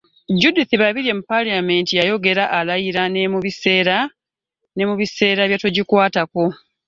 Judith Babirye mu ppaalamenti yayogera alayira ne mu biseera bya togikwatako.